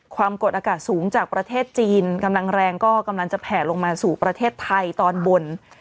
ความกดอากาศสูงจากประเทศจีนกำลังแรงก็กำลังจะแผ่ลงมาสู่ประเทศไทยตอนบน